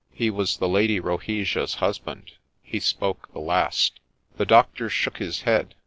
He was the Lady Rohesia's husband ;— he spoke the last. The doctor shook his head.